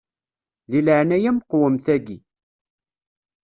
Di leɛnaya-m qwem taki.